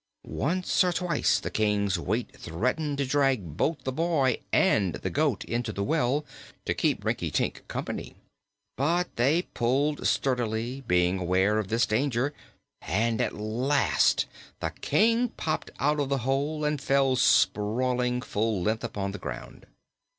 Once or twice the King's weight threatened to drag both the boy and the goat into the well, to keep Rinkitink company. But they pulled sturdily, being aware of this danger, and at last the King popped out of the hole and fell sprawling full length upon the ground.